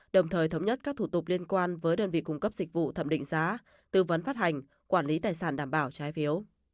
đồng thời thống nhất các thủ tục liên quan với đơn vị cung cấp dịch vụ thẩm định giá tư vấn phát hành quản lý tài sản đảm bảo trái phiếu